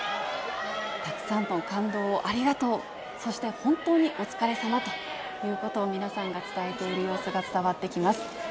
たくさんの感動をありがとう、本当にお疲れさまということを、皆さんが伝えている様子が伝わってきます。